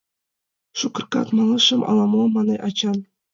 — Шукыракат малышым ала-мо! — мане Эчан.